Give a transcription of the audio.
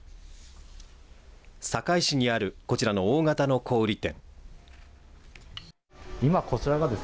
坂井市にあるこちらの大型の小売店。